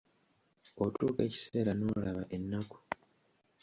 Otuuka ekiseera n’olaba ennaku.